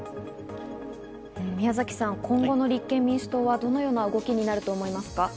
宮崎さん、今後の立憲民主党はどのような動きになると思いますか？